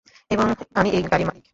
এবং আমি এই গাড়ির মালিক।